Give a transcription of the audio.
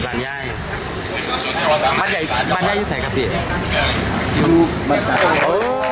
มาให้มาให้พี่สายกับเฟียน